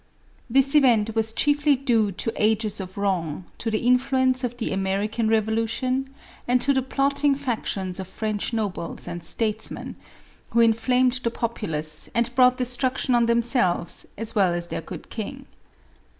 This event was chiefly due to ages of wrong, to the influence of the American Revolution, and to the plot ting factions of French nobles and statesmen, who in flamed the populace, and brought destruction on them selves as well as their good king.